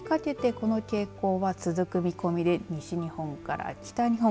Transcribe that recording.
夜にかけてこの傾向は続く見込みで西日本から北日本